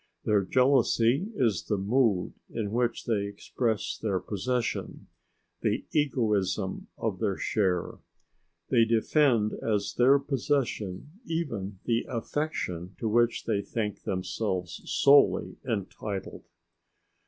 Their jealousy is the mood in which they express their possession, the egoism of their share. They defend as their possession even the affection to which they think themselves solely entitled.